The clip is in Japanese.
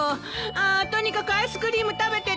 ああとにかくアイスクリーム食べて！